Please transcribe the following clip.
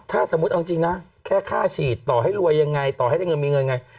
ถ้าสมมุติเอาจริงนะแค่ค่าฉีดต่อให้รวยยังไงต่อให้ได้เงินมีเงินไง